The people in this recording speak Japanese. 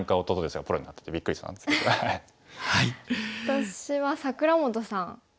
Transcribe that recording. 私は櫻本さん